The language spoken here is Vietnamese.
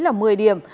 đó là nhiều thí sinh